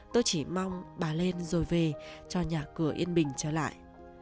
tôi chỉ mong bà lên rồi về cho nhà cửa yên bình trở lại